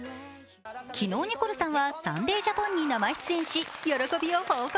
昨日、ニコルさんは「サンデー・ジャポン」に生出演し喜びを報告。